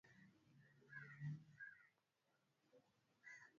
Mina juwa bunene bwa mashamba ya mama